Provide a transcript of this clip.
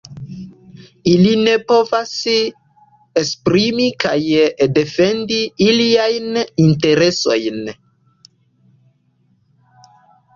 Ili ne povas esprimi kaj defendi iliajn interesojn.